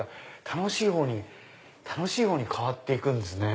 楽しいほうに楽しいほうに変わって行くんですね。